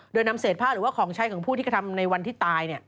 โดยนำเศษผ้าหรือว่าของใช้ของผู้ที่กระทำในวันที่ตาย